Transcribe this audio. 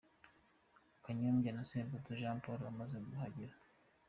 Kanyombya na Samputu Jean Paul bamaze kuhagera.